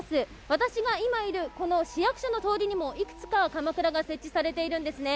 私が今いる、この市役所の通りにも幾つかかまくらが設置されているんですね。